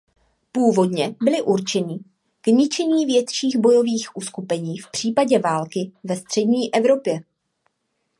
Původně byly určeny k ničení větších bojových uskupení v případě války ve střední Evropě.